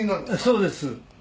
「そうです。